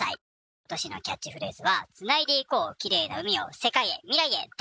ことしのキャッチフレーズはつないでいこうきれいな海を世界へ未来へだ！